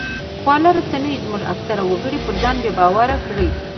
خواله رسنیو زموږ اکثره وګړي پر ځان بې باوره کړي